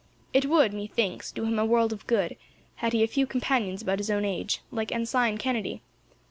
It would, methinks, do him a world of good, had he a few companions about his own age, like Ensign Kennedy.